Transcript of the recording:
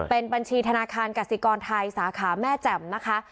เป็นบัญชีธนาคารกสิกรไทยสาขาแม่แจ่มนะคะ